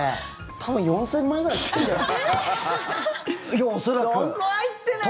多分４０００枚ぐらい食ってるんじゃない？